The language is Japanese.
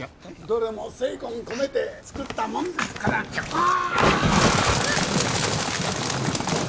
どれも精魂込めて作ったもんですからああ！